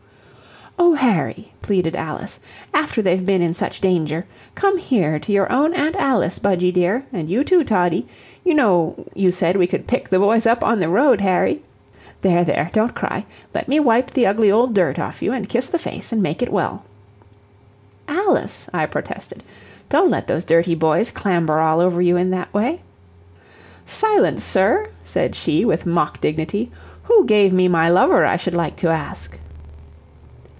"O Harry," pleaded Alice, "after they've been in such danger! Come here to your own Aunt Alice, Budgie dear, and you, too, Toddie, you know you said we could pick the boys up on the road, Harry. There, there don't cry let me wipe the ugly old dirt off you, and kiss the face, and make it well." "Alice," I protested, "don't let those dirty boys clamber all over you in that way." "Silence, sir," said she, with mock dignity; "who gave me my lover, I should like to ask?"